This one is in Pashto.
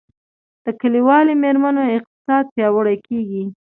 د کلیوالي میرمنو اقتصاد پیاوړی کیږي